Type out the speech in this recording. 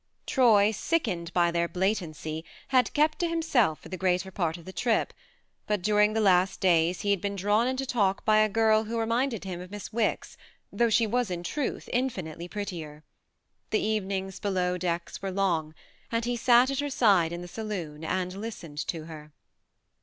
..." Troy, sickened by their blatancy, had kept to himself for the greater part of the trip ; but during the last days he had been drawn into talk by a girl who reminded him of Miss Wicks, though she was in truth infinitely prettier. The evenings below decks were long, and he sat at her side in the saloon and listened to her.